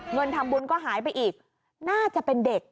เงินทำบุญก็หายไปอีกน่าจะเป็นเด็ก